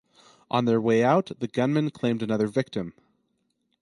On their way out, the gunmen claimed another victim.